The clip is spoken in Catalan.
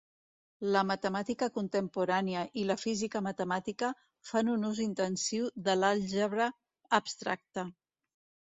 La matemàtica contemporània i la física matemàtica fan un ús intensiu de l'àlgebra abstracta.